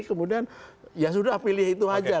kemudian ya sudah pilih itu aja